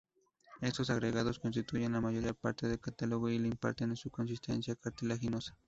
Estos agregados constituyen la mayor parte del cartílago y le imparten su consistencia cartilaginosa.